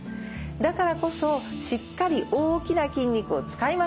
だからこそしっかり大きな筋肉を使いましょう。